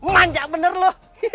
manja bener lo